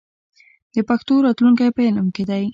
د پښتو راتلونکی په علم کې دی.